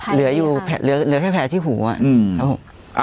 เหลือแค่แผลที่หูครับ